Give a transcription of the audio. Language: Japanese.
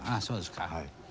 そうですか。